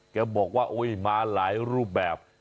แกบอกว่าโอ๊ยมาหลายรูปแบบ